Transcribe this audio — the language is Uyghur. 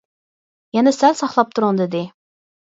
«يەنە سەل ساقلاپ تۇرۇڭ» دېدى.